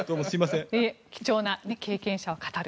貴重な経験者は語る。